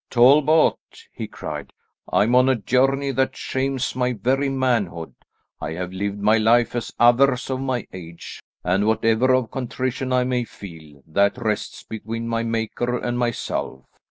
"Talbot," he cried, "I am on a journey that shames my very manhood. I have lived my life as others of my age, and whatever of contrition I may feel, that rests between my Maker and myself.